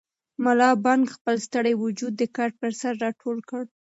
ملا بانګ خپل ستړی وجود د کټ پر سر راټول کړ.